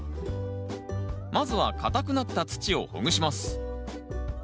まずは固くなった土をほぐします